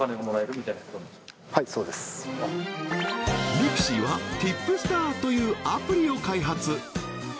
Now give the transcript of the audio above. ミクシィはティップスターというアプリを開発